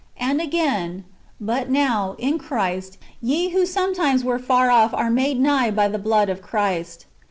"* And again :" But now, in Christ, ye who sometimes were far off are made nigh by the blood of Christ."